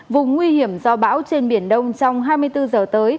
vùng nguy hiểm do bão trên biển đông trong hai mươi bốn giờ tới